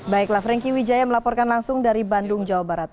baiklah franky wijaya melaporkan langsung dari bandung jawa barat